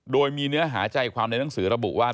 โดยมีเนื้อหาใจความในหนังสือระบุว่า